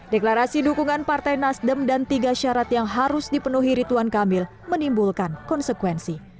deklarasi dukungan partai nasdem dan tiga syarat yang harus dipenuhi rituan kamil menimbulkan konsekuensi